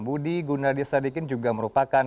budi gunadisadikin juga merupakan